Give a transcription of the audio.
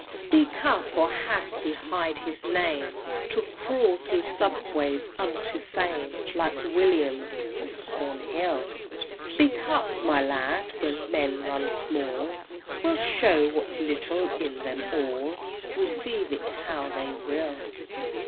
XVII. Speak up! or hath he hid his name To crawl thro' "subways" unto fame, Like Williams of Cornhill? Speak up, my lad! when men run small We'll show what's little in them all, Receive it how they will!